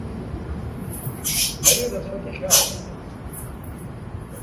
Ари рацәак ихьааумган.